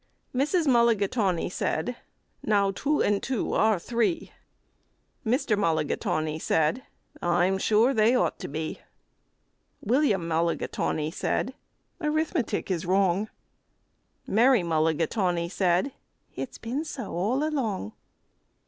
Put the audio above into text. Mrs. Mulligatawny said, "Now two and two are three." Mr. Mulligatawny said, "I'm sure they ought to be." William Mulligatawny said, "Arithmetic is wrong." Mary Mulligatawny said, "It's been so all along."